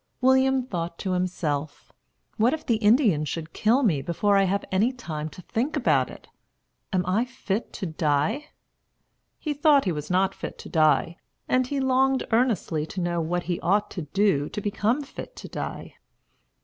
William thought to himself, "What if the Indians should kill me before I have any time to think about it? Am I fit to die?" He thought he was not fit to die, and he longed earnestly to know what he ought to do to become fit to die.